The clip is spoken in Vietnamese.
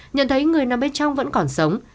nhận thấy người nằm bên trong vẫn còn sống